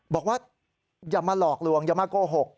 บอกว่าอย่ามาหลอกลวงอย่ามาโกหก